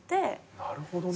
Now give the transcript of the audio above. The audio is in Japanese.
なるほどね。